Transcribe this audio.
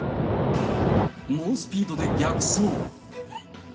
猛スピードで逆走。